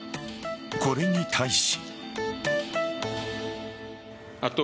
これに対し。